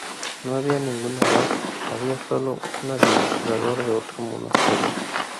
No había ningún abad, había sólo un administrador de otro monasterio.